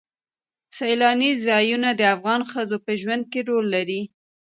سیلانی ځایونه د افغان ښځو په ژوند کې رول لري.